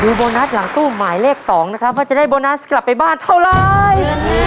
โบนัสหลังตู้หมายเลข๒นะครับว่าจะได้โบนัสกลับไปบ้านเท่าไร